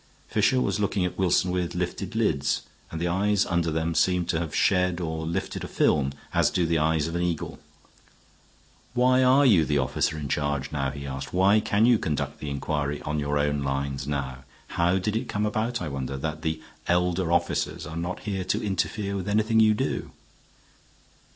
Fisher was looking at Wilson with lifted lids, and the eyes under them seemed to have shed or shifted a film, as do the eyes of an eagle. "Why are you the officer in charge now?" he asked. "Why can you conduct the inquiry on your own lines now? How did it come about, I wonder, that the elder officers are not here to interfere with anything you do?"